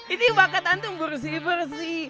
ini bakat antung bersih bersih